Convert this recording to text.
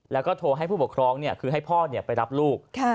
แล้วก็โทรให้ผู้ปกครองคือให้พ่อไปรับลูก